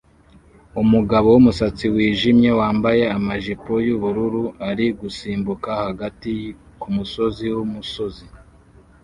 Umugabo wumusatsi wijimye wambaye amajipo yubururu ari gusimbuka hagati kumusozi wumusozi